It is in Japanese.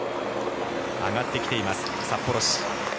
上がってきています、札幌市。